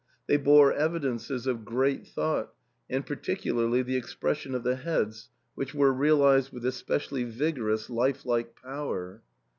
They bore evidences of great thought, and particularly the expression of the heads, which were realised with especially vigorous life like power.